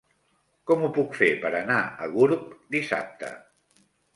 Com ho puc fer per anar a Gurb dissabte?